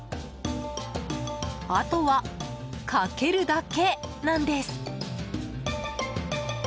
あとは、かけるだけなんです。